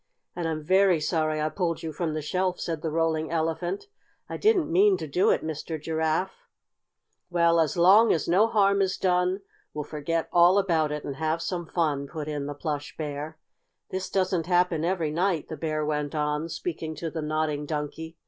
"And I'm very sorry I pulled you from the shelf," said the Rolling Elephant. "I didn't mean to do it, Mr. Giraffe." "Well, as long as no harm is done, we'll forget all about it and have some fun," put in the Plush Bear. "This doesn't happen every night," the Bear went on, speaking to the Nodding Donkey.